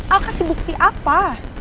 al kasih bukti apa